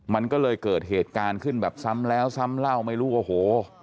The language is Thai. มันก็เลยเกิดเหตุการณ์ขึ้นแบบซ้ำแล้วซ้ำเล่าไม่รู้โอ้โห